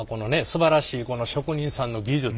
すばらしいこの職人さんの技術。